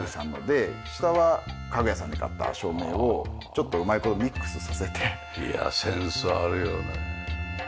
下は家具屋さんで買った照明をちょっとうまい事ミックスさせて。いやセンスあるよね。